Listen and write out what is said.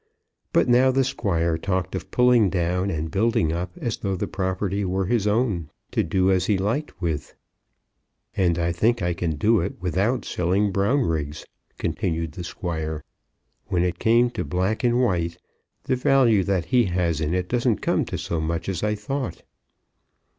But now the Squire talked of pulling down and building up as though the property were his own, to do as he liked with it. "And I think I can do it without selling Brownriggs," continued the Squire. "When it came to black and white, the value that he has in it doesn't come to so much as I thought."